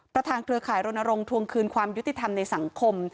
เครือข่ายรณรงค์ทวงคืนความยุติธรรมในสังคม